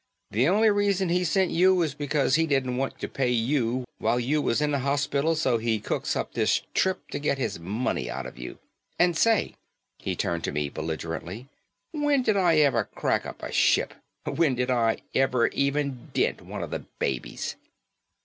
The only reason he sent you is because he didn't want to pay you while you was in the hospital so he cooks up this trip to get his money out of you. And say," he turned to me belligerently, "when did I ever crack up a ship? When did I ever even dent one of the babies?"